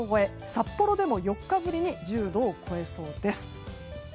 札幌でも４日ぶりに１０度を超えそうです。